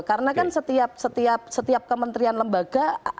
karena kan setiap kementerian lembaga